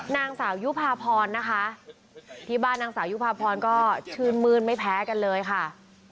นางสาวยุภาพรนะคะที่บ้านนางสาวยุภาพรก็ชื่นมื้นไม่แพ้กันเลยค่ะ